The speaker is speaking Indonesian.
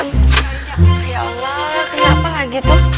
ya allah kenapa lagi tuh